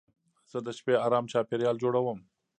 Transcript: زه د شپې ارام چاپېریال جوړوم.